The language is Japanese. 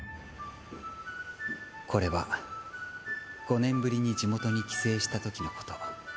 これは５年ぶりに地元に帰省した時の事